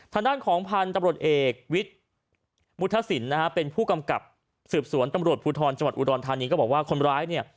ทางด้านของพันธุ์ตำรวจเอกวิทย์วุฒศิลป์นะฮะเป็นผู้กำกับสืบสวนตำรวจภูทรจังหวัดอุดรธานีก็บอกว่าคนร้ายเนี่ย